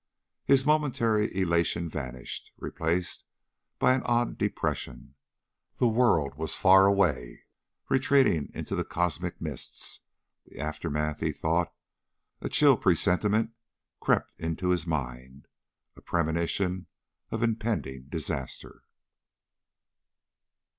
His momentary elation vanished, replaced by an odd depression. The world was far away, retreating into the cosmic mists. The aftermath, he thought. A chill presentiment crept into his mind a premonition of impending disaster.